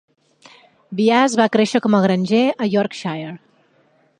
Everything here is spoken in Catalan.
Byas va créixer com a granger a Yorkshire.